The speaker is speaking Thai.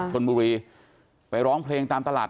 ชนบุรีไปร้องเพลงตามตลาด